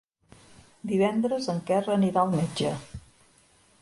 Divendres en Quer anirà al metge.